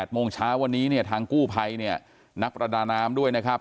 โมงเช้าวันนี้เนี่ยทางกู้ภัยเนี่ยนักประดาน้ำด้วยนะครับ